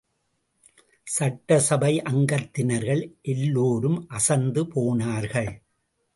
சட்டசபை அங்கத்தினர்கள் எல்லோரும் அசந்து போனார்கள்.